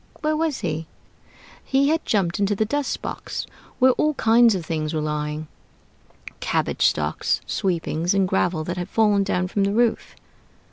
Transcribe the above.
Where was he? He had jumped into the dust box, where all kinds of things were lying: cabbage stalks, sweepings, and gravel that had fallen down from the roof.